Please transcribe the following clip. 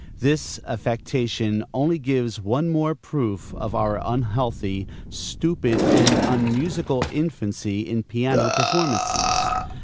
This affectation only gives one more proof of our unhealthy, stupid, and unmusical infancy in piano performances.